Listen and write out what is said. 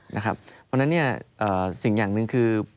เพราะฉะนั้นสิ่งอย่างหนึ่งคือ